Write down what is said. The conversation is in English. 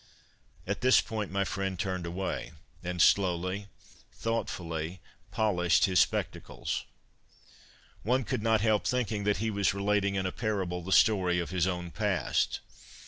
At this point my friend turned away, and slowly, thoughtfully, polished his spectacles. One could not help thinking that he was relating in a parable the story of his own past.